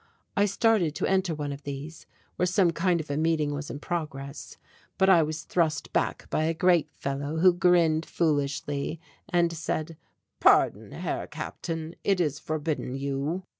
I started to enter one of these, where some kind of a meeting was in progress, but I was thrust back by a great fellow who grinned foolishly and said: "Pardon, Herr Captain, it is forbidden you."